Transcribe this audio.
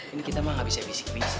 ini kita mah gak bisa bisik bisik